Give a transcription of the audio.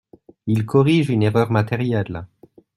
Il corrige une erreur matérielle.